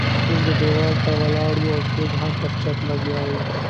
څوک ديوال ته ولاړ وو او څوک هم پر چت لګیا وو.